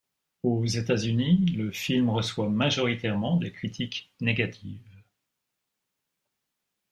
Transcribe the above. Aux États-Unis, le film reçoit majoritairement des critiques négatives.